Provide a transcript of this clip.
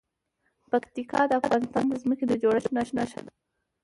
پکتیکا د افغانستان د ځمکې د جوړښت نښه ده.